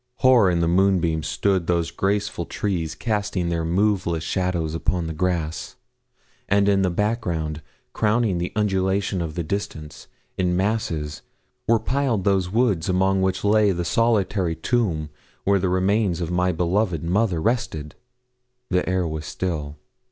Hoar in the moonbeams stood those graceful trees casting their moveless shadows upon the grass, and in the background crowning the undulations of the distance, in masses, were piled those woods among which lay the solitary tomb where the remains of my beloved mother rested. The air was still.